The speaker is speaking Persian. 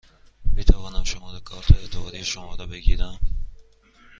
می توانم شماره کارت اعتباری شما را بگیرم؟